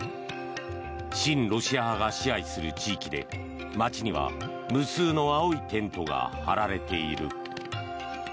親ロシア派が支配する地域で街には無数の青いテントが張られている。